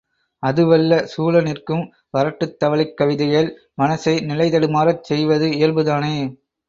அதுவல்ல சூழ நிற்கும் வரட்டுத் தவளைக் கவிதைகள் மனசை நிலைதடுமாறச் செய்வது இயல்பு தானே.